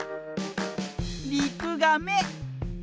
リクガメ。